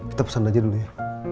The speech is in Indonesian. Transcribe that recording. kita pesan aja dulu ya